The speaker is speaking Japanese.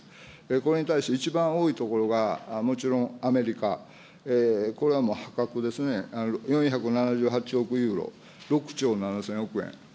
これに対して一番多いところがもちろんアメリカ、これは破格ですね、４７８億ユーロ、６兆７０００億円。